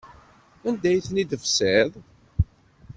Anda ay ten-id-tefsiḍ?